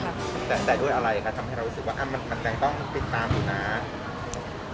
แต่ด้วยอะไรคะทำให้เรารู้สึกว่ามันยังต้องติดตามอยู่นะ